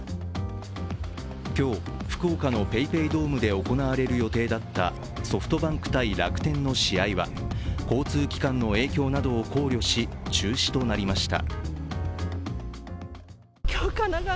今日、福岡のＰａｙＰａｙドームで行われる予定だったソフトバンク×楽天の試合は交通機関の影響などを考慮し、中止となりました。